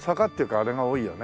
あれが多いよね。